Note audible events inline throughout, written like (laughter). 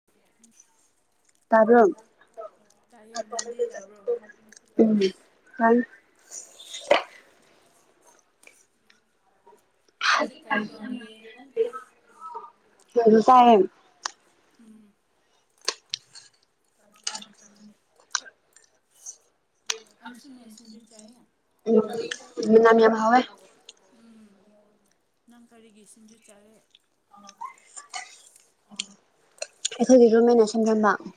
(unintelligible) ꯇꯥꯕ꯭ꯔꯣ ꯇꯥꯏꯌꯦ ꯅꯥꯟꯗꯤ ꯇꯥꯕ꯭ꯔꯣ ꯎꯝ ꯍꯧꯖꯤꯛ ꯀꯔꯤ ꯇꯧꯔꯤꯒꯦ (unintelligible) ꯁꯤꯗꯖꯨ ꯆꯥꯏ ꯎꯝ (unintelligible) ꯑꯩꯁꯨꯟꯅꯦ ꯁꯤꯡꯖꯨ ꯆꯥꯏ ꯎꯝ ꯃꯅꯝ ꯌꯥꯝ ꯍꯥꯎꯋꯦ ꯎꯝ ꯅꯪ ꯀꯔꯤꯒꯤ ꯁꯤꯡꯖꯨ ꯆꯥꯔꯦ ꯑꯩꯈꯣꯏꯒꯤ (unintelligible)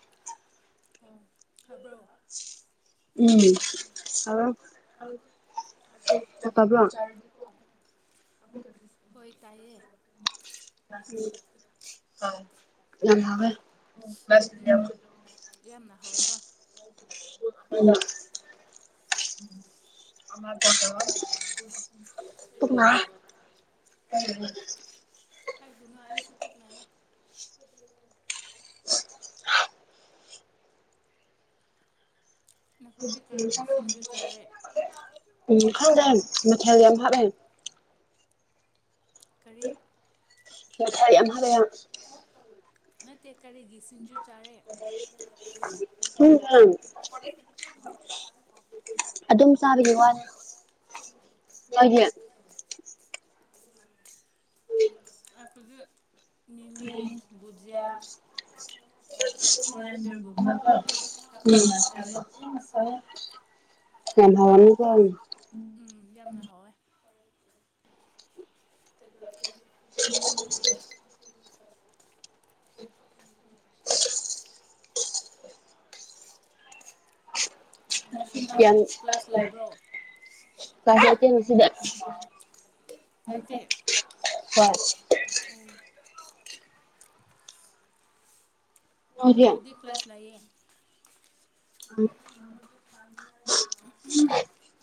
ꯑꯣ ꯇꯕ꯭ꯔꯣ ꯎꯝ ꯍꯥꯎꯋꯦ (unintelligible) ꯍꯣꯏ ꯇꯥꯏꯌꯦ (unintelligible) (unintelligible) ꯕꯁ ꯎꯝ ꯌꯧꯋꯦ ꯌꯥꯝꯅ ꯍꯥꯎꯋꯦꯀꯣ (unintelligible) (unintelligible) (unintelligible) ꯍꯥꯏꯕꯨꯨꯅꯣ ꯑꯩꯁꯨ ꯄꯨꯛ ꯅꯌꯦ (unintelligible) ꯅꯈꯣꯏꯗꯤ ꯀꯔꯤꯒꯤ ꯁꯤꯡꯖꯨ ꯆꯥꯔꯦ ꯈꯪꯗꯦ ꯃꯊꯦꯜ ꯌꯥꯝ ꯍꯥꯞꯂꯦ ꯀꯔꯤ (inaudible) ꯅꯠꯇꯦ ꯀꯔꯤꯒꯤ ꯁꯤꯡꯖꯨ ꯆꯥꯔꯦ (unintelligible) ꯑꯗꯨꯝ ꯆꯥꯕꯗꯤ ꯋꯥꯅꯤꯗꯤ ꯑꯩꯈꯗꯤ ꯃꯤꯃꯤ ꯕꯨꯖꯤꯌꯥ ꯀꯣꯂꯦꯟꯗꯔꯒꯨꯝꯕ (unintelligible) ꯀꯣ ꯍꯥꯞꯄꯒ ꯆꯥꯔꯦ ꯌꯥꯝ (unintelligible) ꯎꯝ ꯌꯥꯝꯅ ꯍꯥꯎꯋꯦ (inaudible) (unintelligible) ꯉꯁꯤ ꯅꯪ ꯌꯥꯝ ꯀ꯭ꯂꯥꯁ ꯂꯩꯕ꯭ꯔꯣ (unintelligible) ꯎꯝ ꯅꯣꯏꯗꯤ ꯑꯩꯈꯣꯏꯗꯤ ꯀ꯭ꯂꯥꯁ ꯂꯩꯌꯦ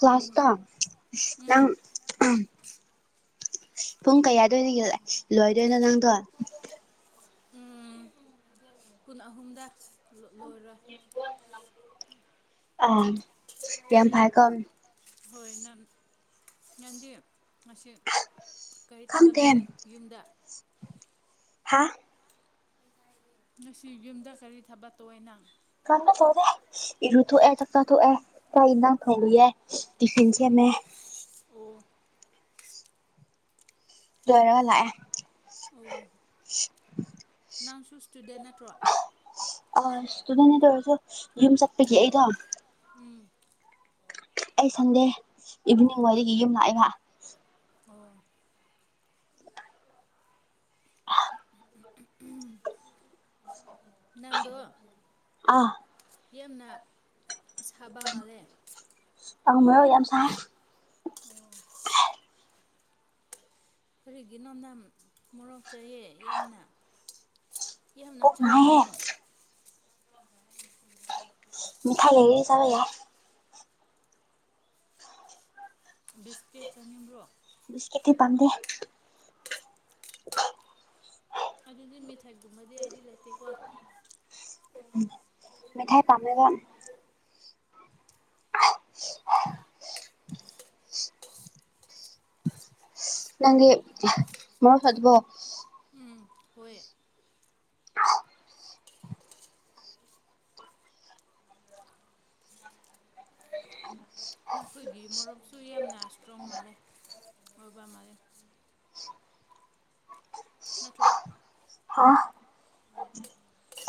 ꯂꯥꯁꯇꯇꯥ ꯅꯪ ꯄꯨꯡ ꯀꯌꯥꯗ ꯂꯣꯏꯗꯣꯏꯅꯣ ꯅꯪꯗꯣ ꯎꯝ ꯀꯨꯟ ꯑꯍꯨꯝꯗ ꯂꯣꯏꯔꯣꯏ ꯑ ꯌꯥꯝ ꯐꯥꯏ ꯀꯝ ꯍꯣꯏ ꯅꯟ ꯅꯟꯗꯤ ꯃꯁꯤ ꯈꯪꯇꯦꯝ ꯍꯥꯥ ꯉꯁꯤ ꯌꯨꯝꯗ ꯀꯔꯤ ꯊꯕꯛꯇ ꯇꯣꯋꯦ ꯅꯪ ꯀꯟꯕ ꯇꯧꯗꯦ ꯏꯔꯨ ꯊꯣꯛꯑꯦ ꯆꯥꯛꯆ ꯊꯣꯑꯦ ꯆꯛ ꯑꯦꯖꯡ ꯊꯣꯡꯉꯤꯌꯦ ꯇꯤꯐꯤꯟ ꯁꯦꯝꯒꯦ ꯑꯣ ꯑꯣ ꯂꯣꯏꯔꯒ ꯂꯥꯛꯑꯦ ꯑꯣ ꯅꯪꯁꯨ ꯁ꯭ꯇꯨꯗꯦꯟ ꯅꯠꯇ꯭ꯔꯣ ꯑꯁ ꯑꯗꯨꯗꯅꯦ ꯇꯧꯔꯁꯦ ꯌꯨꯝ ꯆꯠꯄꯒꯤ ꯑꯩꯗꯣ ꯎꯝ ꯑꯩ ꯁꯟꯗꯦ ꯏꯚꯤꯅꯤꯡ ꯋꯥꯔꯤꯒꯤ ꯌꯨꯝ ꯂꯥꯛꯏꯕ ꯍꯣ ꯅꯪꯗꯣ ꯑꯥ ꯌꯥꯝꯅ ꯁꯥꯕ ꯃꯥꯜꯂꯦ ꯑꯥ ꯃꯣꯔꯣꯛ ꯌꯥꯝ ꯁꯥꯥꯏ ꯀꯔꯤꯒꯤꯅꯣ ꯅꯪ ꯃꯣꯔꯣꯛ ꯆꯑꯦ ꯌꯥꯝꯅ ꯌꯥꯝꯅ ꯄꯨꯛ ꯅꯥꯏꯍꯦ ꯆꯥꯎꯕꯅꯣ (unintelligible) ꯃꯤꯊꯥꯏ ꯂꯩꯩꯔꯤ ꯆꯕ ꯌꯥꯏ ꯕꯤꯁꯀꯤꯦꯠ ꯆꯥꯅꯤꯡꯕ꯭ꯔꯣ ꯕꯤꯁꯀꯤꯠ ꯈꯤꯗꯪꯒ ꯑꯗꯨꯗꯤ ꯃꯦꯊꯥꯏꯒꯨꯝꯕꯗꯤ ꯑꯩꯗꯤ ꯂꯩꯇꯦꯀꯣ ꯃꯤ ꯊꯥꯏ ꯄꯝꯃꯦꯕꯥ (unintelligible) ꯅꯪꯒꯤ ꯃꯣꯔꯣꯛ ꯁꯗꯕꯣ ꯎꯝ ꯍꯣꯏ ꯅꯈꯣꯏꯒꯤ ꯃꯣꯔꯣꯛꯁꯨ ꯌꯥꯝꯅ ꯏꯁꯇ꯭ꯔꯣꯡ ꯃꯥꯜꯂꯦ ꯑꯣꯏꯕ ꯃꯥꯜꯂꯦ ꯅꯠꯇ꯭ꯔꯣ ꯍꯥ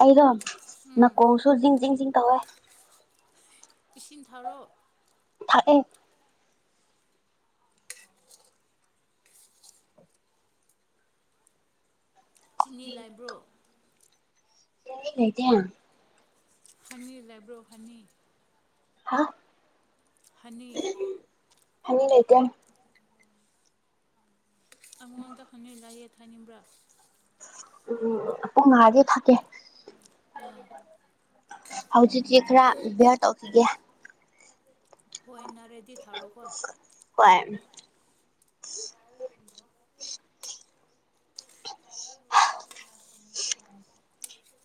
ꯑꯩꯗꯣ ꯎꯝ ꯅꯅꯥꯀꯣꯡꯁꯨ ꯖꯤꯡ ꯖꯤꯡ ꯖꯤꯡ ꯇꯧꯋꯦ ꯏꯁꯤꯡ ꯊꯔꯣ ꯊꯛꯑꯦ ꯆꯤꯅꯤ ꯂꯥꯏꯕ꯭ꯔꯣ ꯇ (unintelligible) ꯍꯅꯤ ꯂꯥꯏꯕ꯭ꯔꯣ ꯍꯅꯤ ꯍꯥ ꯍꯅꯤ ꯍꯟꯅꯤ ꯂꯩꯇꯦ ꯅꯉꯣꯟꯗ ꯍꯅꯤ ꯂꯥꯏꯌꯦ ꯊꯥꯏꯅꯤꯡꯕ꯭ꯔꯥ ꯎꯝ ꯄꯨꯡ ꯉꯥꯒꯤꯗꯤ ꯊꯒꯦ ꯑꯥ ꯍꯧꯖꯤꯛꯇ ꯈꯔ ꯕ꯭ꯌꯔ ꯇꯧꯈꯤꯒꯦ ꯍꯣꯏ ꯅꯥꯔꯗꯤ ꯊꯥꯔꯣꯀꯣ ꯍꯣꯏ (unintelligible) (inaudible)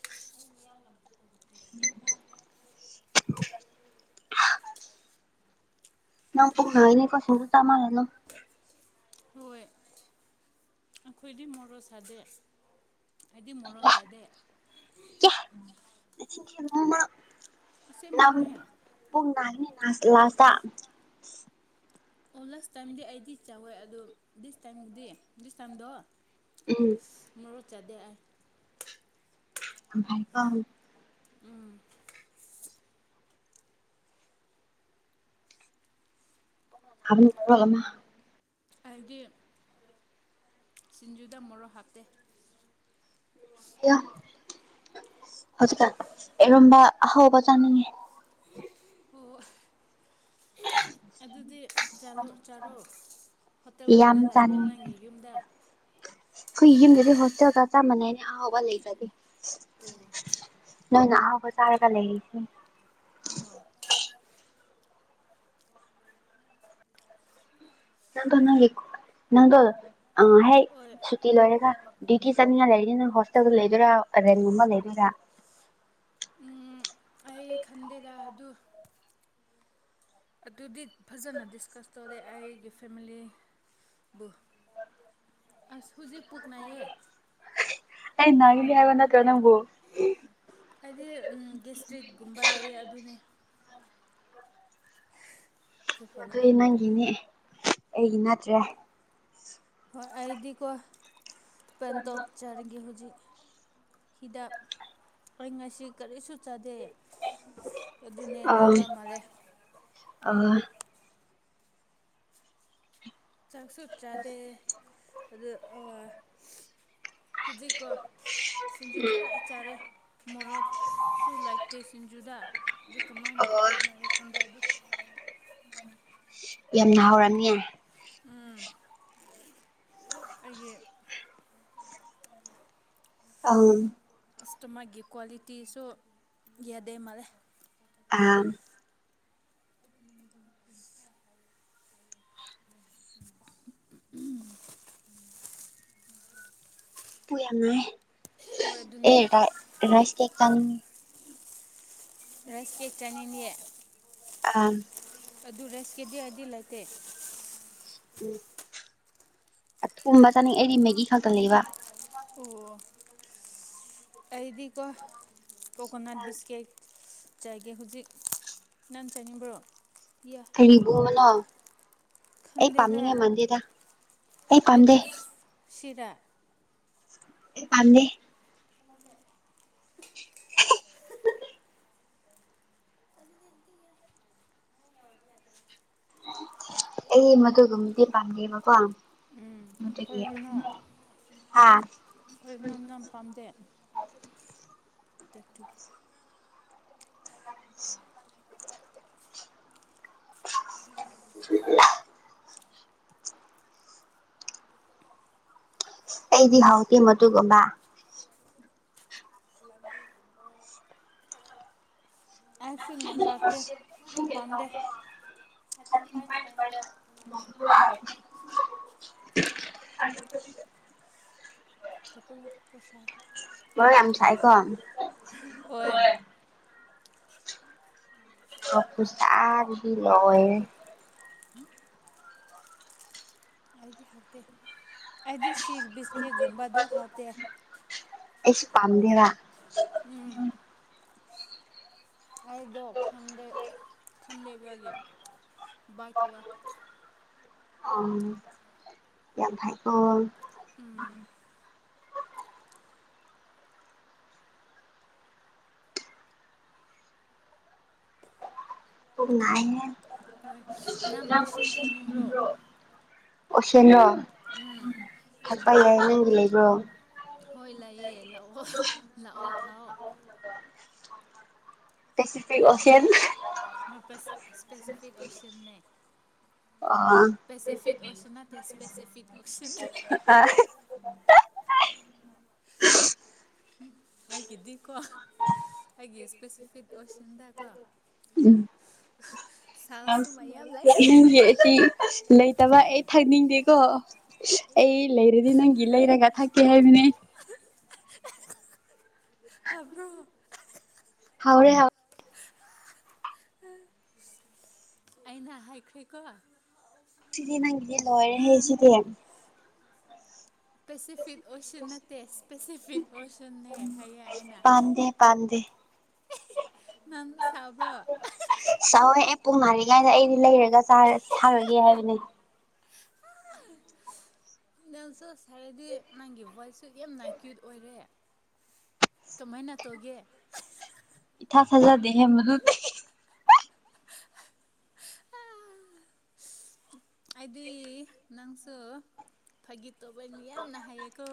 ꯑꯩ ꯃꯌꯥꯡ ꯂꯛ (unintelligible) ꯅꯪ ꯄꯨꯨꯛ ꯅ (unintelligible) ꯍꯣꯏ ꯑꯩꯈꯣꯏꯗꯤ ꯃꯣꯔꯣꯛ ꯁꯥꯗꯦ ꯑꯩꯗꯤ ꯃꯣꯔꯣꯛ ꯆꯥꯗꯦ ꯌꯦ ꯑꯁꯦꯡꯕꯅꯦ (unintelligible) ꯑꯣ ꯂꯥꯁ ꯇꯥꯏꯝꯗꯤ ꯑꯩꯗꯤ ꯆꯥꯎꯋꯦ ꯑꯗꯣ ꯗꯤꯁ ꯇꯥꯏꯝꯗꯤ ꯗꯤꯁ ꯇꯥꯏꯝꯗꯣ ꯎꯝ ꯃꯣꯔꯣꯛ ꯆꯗꯦ ꯑꯩꯥꯏ (unintelligible) ꯎꯝ ꯍꯃꯨ ꯑꯔꯣꯟ ꯑꯃ ꯑꯩꯗꯤ ꯁꯤꯡꯖꯨꯗ ꯃꯣꯔꯣꯛ ꯍꯥꯞꯇꯦ ꯍꯧꯖꯤꯛꯀꯥꯟ ꯑꯦꯔꯨꯝꯕ ꯑꯍꯥꯎꯕ ꯆꯥꯅꯤꯡꯉꯦ ꯎ ꯑꯗꯨꯗꯤ ꯆꯥꯔꯣ ꯆꯥꯔꯣ ꯌꯥꯝ ꯍꯣꯇꯦꯜꯒꯨꯝꯕ ꯂꯩꯕ꯭ꯔ ꯆꯥꯅꯤꯡꯉꯦ ꯅꯪꯒꯤ ꯌꯨꯝꯗ ꯑꯩꯈꯣꯏ ꯌꯨꯝꯗꯗꯤ ꯍꯣꯁꯇꯦꯜꯒ ꯆꯥꯞ ꯃꯅꯩꯗ ꯑꯍꯥꯎꯕ ꯂꯩꯕꯗꯤ ꯑꯣ ꯅꯪꯅ ꯑꯍꯥꯎꯕ ꯆꯥꯔꯒ ꯂꯩꯔꯤꯁꯤ ꯑꯣ ꯅꯪ ꯀꯅꯔꯤꯀꯣ ꯅꯪꯒꯑ ꯍꯦꯛ ꯍꯣꯏ ꯁꯨꯇꯤ ꯂꯣꯏꯔꯒ ꯗ꯭ꯌꯨꯇꯤ ꯆꯠꯅꯤꯡꯉ ꯂꯩꯔꯤꯅꯤ ꯅꯪ ꯍꯣꯁꯇꯦꯜꯗ ꯂꯩꯗꯣꯏꯔꯥ ꯔꯦꯟꯨꯝ ꯑꯃ ꯂꯩꯗꯣꯏꯔꯥ ꯗꯦꯗ ꯑꯗꯨ ꯑꯗꯨꯗꯤ ꯐꯖꯅ ꯗꯤꯁꯀꯁ ꯇꯧꯔꯦ ꯑꯩꯒꯤ ꯐꯦꯃꯤꯂꯤꯕꯨ ꯑꯁ ꯍꯧꯖꯤꯛ ꯄꯨꯛ ꯅꯥꯏꯌꯦ ꯑꯩ ꯅꯪꯒꯤꯅꯤ ꯍꯥꯏꯕ ꯅꯇ꯭ꯔ ꯅꯪꯕꯨ ꯍꯥꯏꯗꯤ ꯒꯦꯁꯇ꯭ꯔꯤꯠꯀꯨꯝꯕ ꯂꯩꯌꯦ ꯑꯗꯨꯅꯦ ꯑꯗꯨꯗꯤ ꯅꯪꯒꯤꯅꯦ ꯑꯩꯒꯤ ꯅꯠꯇ꯭ꯔꯦ ꯍꯣꯏ ꯑꯩꯗꯤꯀꯣ ꯄꯦꯟꯇꯣꯛ ꯆ ꯑꯗꯒꯤ ꯍꯧꯖꯤꯛ ꯍꯤꯗꯥꯛ ꯑꯩ ꯉꯁꯤ ꯀꯔꯤꯁꯨ ꯆꯥꯗꯦ ꯑꯗꯨꯅꯦ ꯅꯥꯕ ꯃꯂꯦ ꯑ ꯆꯥꯛꯁꯨ ꯆꯥꯗꯦ ꯑꯗꯨꯗꯣ ꯍꯧꯖꯤꯛꯀꯣ ꯁꯤꯡꯖꯨ ꯈꯔ ꯆꯥꯔꯦ ꯃꯣꯔꯣꯛꯁꯨ ꯂꯩꯇꯦ ꯁꯤꯡꯖꯨꯗ ꯑꯗꯨ ꯀꯃꯥꯏꯅ ꯄꯨꯛ ꯅꯌꯦ ꯪꯗꯦ (unintelligible) ꯌꯥꯝꯅ ꯍꯥꯎꯔꯝꯃꯤꯌꯦ ꯎꯝ ꯑꯩꯒꯤ (unintelligible) ꯑꯁ ꯇꯃꯥꯒꯤ ꯀ꯭ꯋꯥꯂꯤꯇꯤꯁꯨ ꯌꯥꯗꯦ ꯃꯥꯂꯦ ꯑꯥꯝ (unintelligible) ꯄꯨ ꯌꯥꯝ ꯅ ꯍꯣꯏ ꯑꯗꯨꯅꯦ ꯥꯏ (unintelligible) ꯔꯥꯏꯁ ꯀꯦꯛ ꯆꯅꯤꯡꯉꯦ ꯔꯥꯁꯀꯦꯛ ꯆꯅꯤꯡ ꯉꯤ ꯑꯥ ꯑꯗꯨ ꯔꯦꯁꯀꯤꯗꯤ ꯑꯩꯗꯤ ꯂꯩꯇꯦ (unintelligible) ꯎꯝ ꯑꯊꯨꯝꯕ ꯆꯥꯅꯤꯡ ꯑꯩꯗꯤ ꯃꯦꯒꯤ ꯈꯛꯇ ꯂꯩꯕ ꯑꯣ ꯑꯩꯗꯤꯀꯣ ꯀꯣꯀꯣꯅꯠ ꯕꯤꯁꯀꯤꯦꯠ ꯆꯥꯏꯒꯦ ꯍꯧꯖꯤꯛ ꯅꯪ ꯆꯥꯏꯅꯤꯡꯕ꯭ꯔꯣ ꯌꯥ ꯀꯔꯤꯕꯨꯅꯣ ꯑꯩ ꯄꯥꯝꯅꯤꯡꯉꯦ ꯃꯥꯟꯗꯦꯗ ꯑꯩ ꯗꯤꯞ ꯁꯤꯔꯥ (unintelligible) ꯑꯩ ꯃꯗꯨꯒꯨꯝꯕꯗꯤ ꯄꯥꯝꯗꯦꯕꯀꯣ ꯃꯗꯨꯒꯤ ꯀꯔꯤꯅꯣ ꯍꯥꯥ (unintelligible) ꯅꯪ ꯌꯥꯝ ꯄꯥꯝꯗꯦ (unintelligible) (inaudible) (unintelligible) (unintelligible) ꯑꯩꯗꯤ ꯍꯥꯎꯇꯦ ꯃꯗꯨꯒꯨꯝꯕ (unintelligible) ꯑꯥꯏꯁ ꯀ꯭ꯔꯤꯝꯅꯦ ꯍꯥꯥꯎꯇꯦ ꯄꯝꯗꯦ ꯥ (inaudible) ꯑ (inaudible) (inaudible) ꯃꯣꯔꯣꯛ ꯌꯥꯝ ꯁꯥꯏ ꯀꯣ ꯍꯣꯏ ꯃꯣꯔꯣꯛ ꯈꯨꯁꯥꯗꯤ ꯂꯣꯏꯔꯦ (inaudible) ꯑꯩꯗꯤ ꯍꯥꯎꯇꯦ ꯑꯩꯗꯤ ꯁꯤꯈ ꯕꯤꯁꯀꯤꯦꯠꯒꯨꯝꯕꯗꯣ ꯍꯥꯎꯇꯦ ꯑꯩꯁꯨ ꯄꯥꯝꯗꯦꯕ ꯎꯝ ꯑꯩꯗꯣ ꯈꯟꯗꯦ ꯈꯟꯗꯦꯕꯒꯤ ꯕꯥꯏꯛ ꯇꯧꯋꯦ ꯑꯣ ꯌꯥꯝ ꯍꯩꯀꯣ ꯎꯝ ꯄꯨꯛ ꯅꯥꯏ ꯍꯦ ꯍꯣꯏ ꯅꯪ ꯑꯣꯁꯤꯟ ꯊꯥꯅꯤꯡꯕ꯭ꯔꯣ (unintelligible) ꯎꯝ ꯊꯛꯄ ꯌꯥꯏ ꯅꯪꯒꯤ ꯂꯩꯕ꯭ꯔꯣ ꯍꯣꯏ ꯂꯩꯌꯦ ꯂꯥꯛꯑꯣ ꯂꯥꯛꯑꯣ ꯊꯥꯛꯑꯣ ꯄꯦꯁꯤꯐꯤꯛ ꯑꯣꯁꯌꯥꯦꯟ ꯃꯛꯇ ꯁꯄꯦꯁꯤꯐꯤꯛ ꯑꯣꯞꯁꯟꯅꯦ ꯑꯣ ꯄꯦꯁꯤꯐꯤꯠ ꯑꯣꯁꯤꯟ ꯅꯠꯇꯦ ꯁꯄꯦꯁꯤꯐꯤꯛ ꯑꯣꯛꯁꯤꯟ ꯑ ꯑꯩꯒꯤꯗꯤꯀꯣ ꯑꯩꯒꯤ ꯁꯄꯦꯁꯤꯐꯤꯠ ꯑꯣꯁꯤꯟꯗꯀꯣ ꯎꯝ ꯁꯥꯜꯁꯨ ꯃꯌꯥꯝ ꯂꯩ (unintelligible) ꯂꯩꯇꯕ ꯊꯛꯅꯤꯡꯗꯦꯀꯣ ꯑꯩ ꯂꯩꯔꯗꯤ ꯅꯪꯒꯤ ꯂꯩꯔꯒ ꯊꯛꯀꯦ ꯍꯥꯏꯕꯅꯤ (unintelligible) ꯍꯥꯕ꯭ꯔꯣ ꯍꯥꯎꯔꯦ ꯍꯥꯎ ꯑꯩꯅ ꯍꯥꯏꯈ꯭ꯔꯦꯀꯣ ꯁꯤꯗꯤ ꯅꯪꯒꯤꯗꯤ ꯂꯣꯏꯔꯦ ꯍꯦ ꯁꯤꯗꯤ ꯄꯦꯁꯤꯐꯤꯛ ꯑꯣꯁꯤꯟ ꯅꯠꯇꯦ ꯏꯁꯄꯦꯁꯤꯐꯤꯛ ꯑꯣꯁꯤꯟꯅꯦ ꯍꯥꯏꯌꯦ ꯑꯩꯅ ꯗꯦ ꯄꯥꯟꯗꯦ ꯅꯪ ꯁꯥꯎꯕ꯭ꯔꯣ (unintelligible) ꯑꯦ ꯄꯨꯡ ꯃꯔꯤꯉꯥꯏꯗ ꯑꯩꯗꯤ ꯂꯩꯔꯒ ꯆꯔꯦ ꯍꯥꯎꯔꯣꯏꯌꯦ ꯍꯥꯏꯕꯅꯦ ꯅꯜꯁꯣꯁ ꯍꯥꯏꯔꯗꯤ ꯅꯪꯒꯤ ꯚꯣꯏꯁꯁꯨ ꯌꯥꯝꯅ ꯀ꯭ꯌꯨꯠ ꯑꯣꯏꯔꯦ ꯀꯃꯥꯏꯅ ꯇꯧꯒꯦ ꯏꯊꯥ ꯊꯥꯖꯗꯦꯍꯦ ꯃꯗꯨꯗꯤ (unintelligible) ꯑꯩꯗꯤ ꯅꯪꯁꯨ ꯐꯥꯒꯤ ꯇꯧꯕ ꯃꯤ ꯌꯥꯝꯅ ꯍꯥꯏꯌꯦꯀꯣ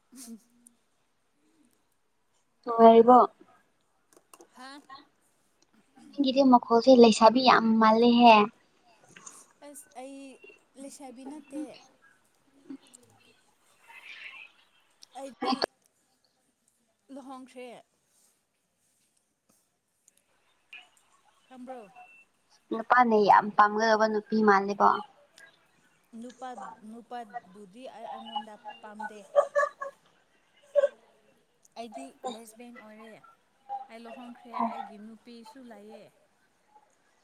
(unintelligible) ꯅꯨꯪꯉꯥꯏꯔꯤꯕꯣ ꯍꯥ ꯅꯪꯒꯤꯗꯤ ꯃꯈꯣꯜꯁꯦ ꯂꯩꯁꯥꯕꯤ ꯌꯥꯝ ꯃꯥꯜꯂꯦꯍꯦ ꯑꯁ ꯑꯩ ꯂꯩꯁꯥꯕꯤ ꯅꯠꯇꯦ ꯑꯩꯗꯤ ꯂꯨꯍꯣꯡꯈ꯭ꯔꯦ ꯈꯪꯕ꯭ꯔꯣ ꯅꯨꯄꯥꯅ ꯌꯥꯝ ꯄꯥꯝꯒꯗꯧꯕ ꯅꯨꯄꯤ ꯃꯥꯜꯂꯤꯀꯣ ꯅꯨꯄꯥ ꯅꯨꯄꯥꯕꯨꯗꯤ ꯑꯩ ꯑꯩꯉꯣꯟꯗ ꯄꯥꯝꯗꯦ ꯎꯝ ꯑꯩꯗꯤ ꯂꯦꯁꯕꯦꯡ ꯑꯣꯏꯔꯦ ꯑꯩ ꯂꯣꯍꯣꯡꯈ꯭ꯔꯦ ꯑꯩꯒꯤ ꯅꯨꯄꯤꯁꯨ ꯂꯩꯌꯦ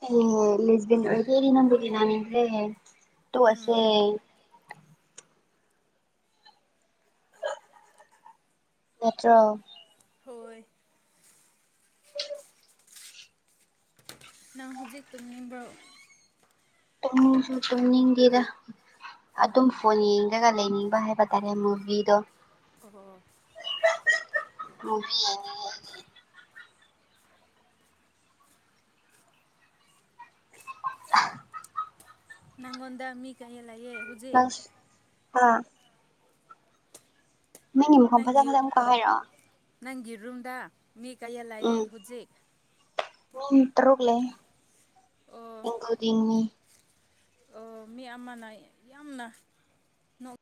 ꯑꯦ ꯂꯦꯁꯕꯦꯡ ꯑꯣꯏꯔꯗꯤ ꯑꯩꯗꯤ ꯅꯪꯒ ꯇꯤꯟꯅꯅꯤꯡꯗ꯭ꯔꯦ ꯇꯣꯛꯑꯁꯦ ꯎꯝ ꯅꯠꯇ꯭ꯔꯣ ꯍꯣꯏ ꯅꯪ ꯍꯧꯖꯤꯛ ꯇꯨꯝꯅꯤꯡꯕ꯭ꯔꯣ ꯇꯨꯝꯁꯨ ꯇꯨꯝꯅꯤꯡꯗꯦꯗ ꯑꯗꯨꯝ ꯑꯣ ꯐꯣꯟ ꯌꯦꯡꯉꯒ ꯂꯩꯅꯤꯡꯕ ꯍꯥꯏꯕ ꯇꯥꯔꯦ ꯃꯨꯕꯤꯗꯣ (unintelligible) ꯃꯨꯕꯤ ꯌꯦꯡꯉꯤ (unintelligible) ꯅꯪꯉꯣꯟꯗ ꯃꯤ ꯀꯩ ꯂꯩꯌꯦ ꯍꯧꯖꯤꯛ (unintelligible) ꯍꯥꯥ (unintelligible) ꯃꯐꯝ ꯅꯪꯒꯤ (unintelligible) ꯀꯥ ꯍꯥꯏꯔꯣ ꯅꯪꯒꯤ ꯔꯨꯝꯗ ꯃꯤ ꯀꯌꯥ ꯂꯩꯑꯦ ꯍꯨꯖꯤꯛ ꯃꯤꯟ ꯇ꯭ꯔꯨꯛ ꯂꯩꯌꯦ ꯑꯣ ꯑꯣ ꯃꯤ ꯑꯃꯅ ꯌꯥꯝꯅ